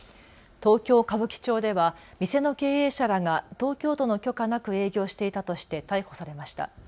東京歌舞伎町では店の経営者らが東京都の許可なく営業していたとして逮捕されました。